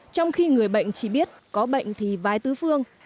trong khi người bệnh chỉ biết có bệnh thì vai tứ phương